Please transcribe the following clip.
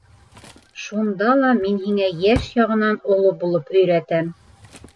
Шунда ла мин һиңә йәш яғынан оло булып өйрәтәм.